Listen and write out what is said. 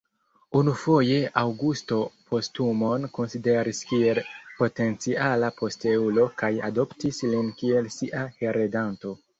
Unufoje Aŭgusto Postumon konsideris kiel potenciala posteulo kaj adoptis lin kiel sia heredanto.